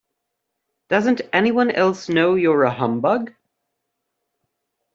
Doesn't anyone else know you're a humbug?